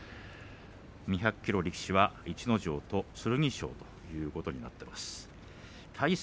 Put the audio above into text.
２００ｋｇ力士は逸ノ城と剣翔ということになっています。